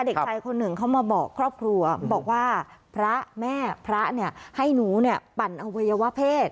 เด็กชายคนหนึ่งเขามาบอกครอบครัวบอกว่าพระแม่พระเนี่ยให้หนูเนี่ยปั่นอวัยวะเพศ